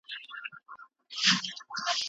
د طبي علومو ساحه د ټولنیزو علومو په نسبت ټاکلي ده.